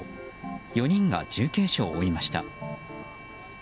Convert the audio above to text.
４人が重軽傷を負いました。